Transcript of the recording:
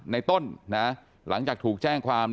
ในต้นหลังจากถูกแจ้งความ